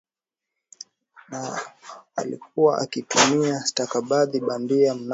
na alikuwa akitumia stakabadhi bandiaMnamo